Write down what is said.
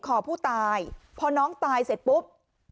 คอผู้ตายพอน้องตายเสร็จปุ๊บ